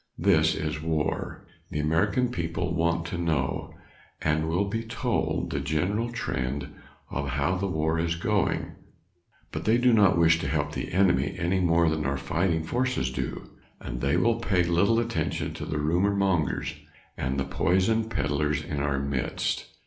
This is war. The American people want to know, and will be told, the general trend of how the war is going. But they do not wish to help the enemy any more than our fighting forces do, and they will pay little attention to the rumor mongers and the poison peddlers in our midst.